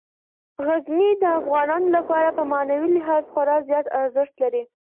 غزني د افغانانو لپاره په معنوي لحاظ خورا زیات ارزښت لري.